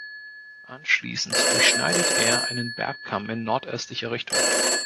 Anschließend durchschneidet er einen Bergkamm in nordöstlicher Richtung.